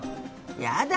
やだ